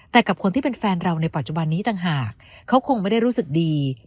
แต่กับคนที่เป็นแฟนเราในปัจจุบันนี้ต่างหากเขาคงไม่ได้รู้สึกดี